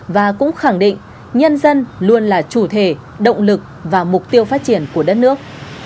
và cũng khẳng định nhân dân luôn là chủ thể động lực và mục tiêu phát triển của đất nước